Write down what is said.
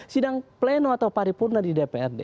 sidang pleno atau paripurna di dprd